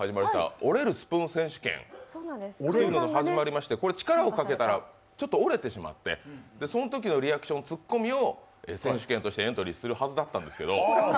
折れるスプーン選手権、これ力をかけたら、ちょっと折れてしまってそのときのリアクションツッコミを選手権としてエントリーするはずだったんですけど。